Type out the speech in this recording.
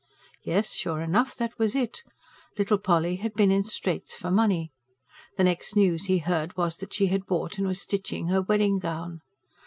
Yes, sure enough, that was it little Polly had been in straits for money: the next news he heard was that she had bought and was stitching her wedding gown.